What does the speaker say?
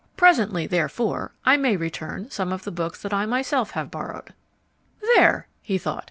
PRESENTLY, therefore, I may return some of the books that I myself have borrowed. "There!" he thought.